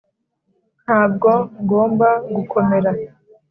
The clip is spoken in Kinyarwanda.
ntabwo ngomba gukomera